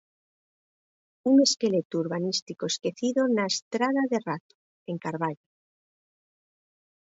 Un esqueleto urbanístico esquecido na estrada de Razo, en Carballo.